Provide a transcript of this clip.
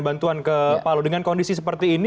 bantuan ke palu dengan kondisi seperti ini